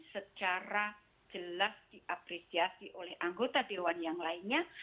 secara jelas diapresiasi oleh anggota dewan yang lainnya